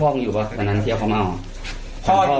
พ่อมีภาพอยู่หรือเปล่านั้นเขาเล่า